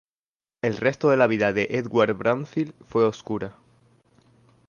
El resto de la vida de Edward Bransfield fue oscura.